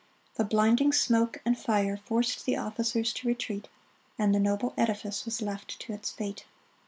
The blinding smoke and fire forced the officers to retreat, and the noble edifice was left to its fate.